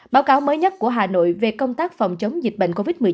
báo cáo mới nhất của hà nội về công tác phòng chống dịch bệnh covid một mươi chín